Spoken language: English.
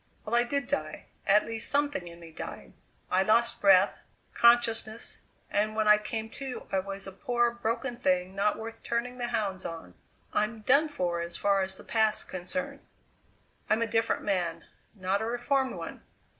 Well, I did die; at least something in me died. I lost breath, consciousness, and when I came to I was a poor, broken thing not worth turning the hounds on. I'm done for as far as the past's concerned. I'm a different man not a reformed one!